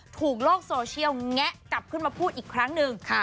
โลกโซเชียลแงะกลับขึ้นมาพูดอีกครั้งหนึ่ง